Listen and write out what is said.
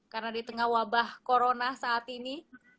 karena di tengah wabah corona saat ini